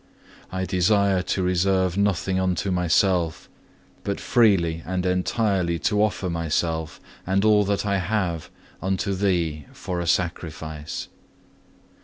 I desire to reserve nothing unto myself, but freely and entirely to offer myself and all that I have unto Thee for a sacrifice.